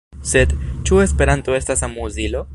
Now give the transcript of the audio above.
Sed, ĉu Esperanto estas amuzilo?